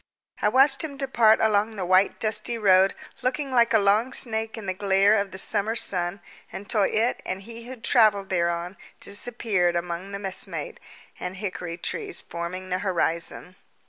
I watched him depart along the white dusty road, looking like a long snake in the glare of the summer sun, until it and he who travelled thereon disappeared among the messmate and hickory trees forming the horizon.